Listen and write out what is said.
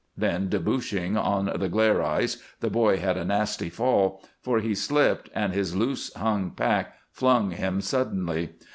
Then debouching on to the glare ice the boy had a nasty fall, for he slipped, and his loose hung pack flung him suddenly.